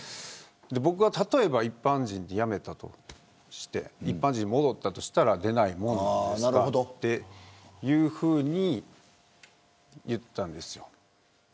僕が例えば辞めたとして一般人に戻ったとしたら出ないものなのかというふうに言ったんですよ。